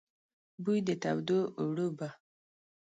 بوی د تودو اوړو به،